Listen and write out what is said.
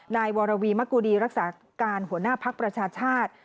นายวรวีมะกูดีรักษาการหัวหน้าภักดิ์ประชาชาติ